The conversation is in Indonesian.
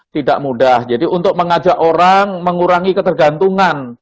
tidak mudah jadi untuk mengajak orang mengurangi ketergantungan